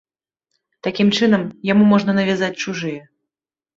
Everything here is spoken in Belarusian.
Такім чынам, яму можна навязаць чужыя.